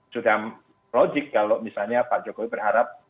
sudah logik kalau misalnya pak jokowi berharap